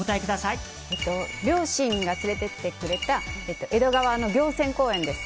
両親が連れて行ってくれた江戸川の公園です。